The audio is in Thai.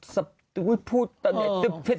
ซับทุบพูดตะเนี่ย